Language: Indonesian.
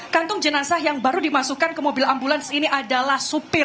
kantung jenazah yang baru dimasukkan ke mobil ambulans ini adalah supir